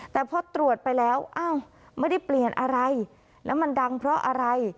แต่พอตรวจไปแล้วอ้าวไม่ได้เปลี่ยนอะไรแล้วมันดังเพราะอะไร